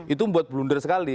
itu buat blunder sekali